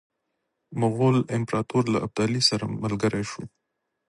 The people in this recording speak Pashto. مغول امپراطور له ابدالي سره ملګری شو.